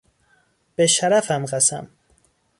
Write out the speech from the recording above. به شرفم قسم!